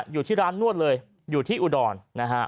อยู่ที่ร้านนวดเลยอยู่ที่อุดรนะฮะ